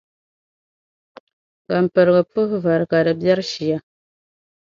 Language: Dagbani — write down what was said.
Gampiriga puhi vari ka di biɛri shia.